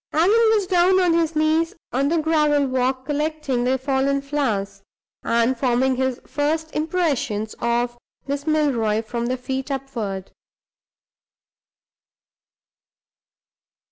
Allan was down on his knees on the gravel walk, collecting the fallen flowers, and forming his first impressions of Miss Milroy from the feet upward.